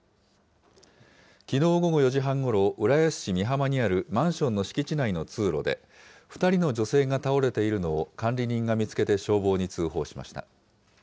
きのう午後４時半ごろ、浦安市美浜にあるマンションの敷地内の通路で、２人の女性が倒れているのを管理人が見つけて消防に通報しました。